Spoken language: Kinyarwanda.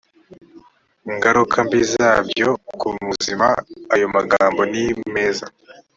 ngaruka mbi zabyo ku buzima ayo magambo nimeza